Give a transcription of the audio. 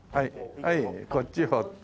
はいこっち掘って。